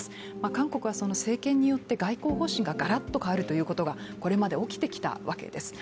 韓国は政権によって外交方針ががらっと変わることがこれまで起きてきたわけです。